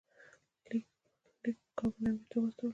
لیک په کابل امیر ته واستول شي.